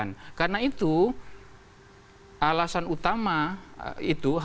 penyoda barber hospital merah